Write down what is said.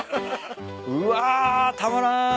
うわたまらん！